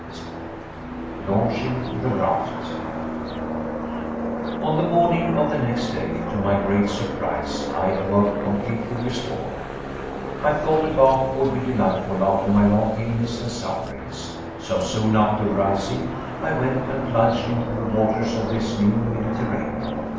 CHAPTER 28 LAUNCHING THE RAFT On the morning of the next day, to my great surprise, I awoke completely restored. I thought a bath would be delightful after my long illness and sufferings. So, soon after rising, I went and plunged into the waters of this new Mediterranean.